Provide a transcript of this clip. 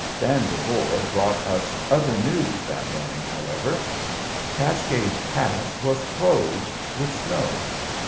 Dan Devore brought us other news that morning, however. Cascade Pass was closed with snow.